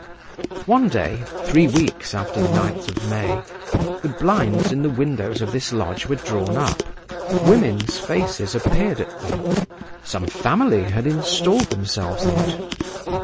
One day—three weeks after the 9th of May—the blinds in the windows of this lodge were drawn up, women's faces appeared at them—some family had installed themselves in it.